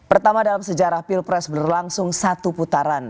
pertama dalam sejarah pilpres berlangsung satu putaran